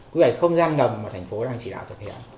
với cái không gian ngầm mà thành phố đang chỉ đạo thực hiện